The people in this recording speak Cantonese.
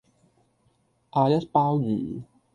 阿一鮑魚